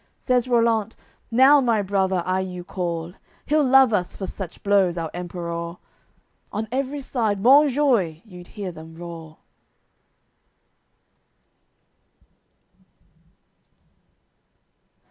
Says Rollant: "Now my brother I you call; He'll love us for such blows, our Emperor." On every side "Monjoie" you'ld hear them roar.